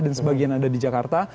dan sebagian ada di jakarta